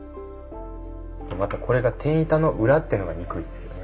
またこれが天板の裏っていうのがにくいですよね。